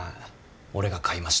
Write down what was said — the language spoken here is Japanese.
「俺が買いました